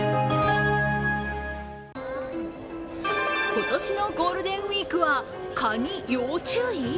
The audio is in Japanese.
今年のゴールデンウイークは、蚊に要注意？